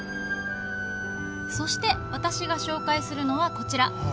そして、私が紹介するのはこちら。